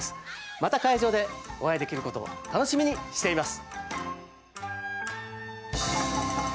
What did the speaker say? また会場でお会いできることを楽しみにしています。